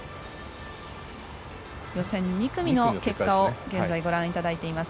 予選２組の結果を現在ご覧いただいています。